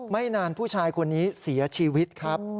ไม่นานผู้ชายคนนี้เสียชีวิตครับ